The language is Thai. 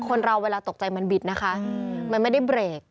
คนเราเวลาตกใจมันบิดนะคะมันไม่ได้เบรก